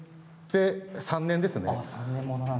これで３年ですね。